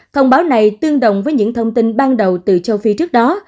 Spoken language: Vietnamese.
thông báo này tương đồng với những thông tin ban đầu từ châu phi trước đó